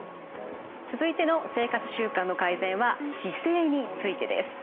続いての生活習慣の改善は姿勢についてです。